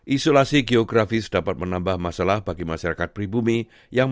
isolasi geografis dan kesehatan tersebut adalah hal yang sangat penting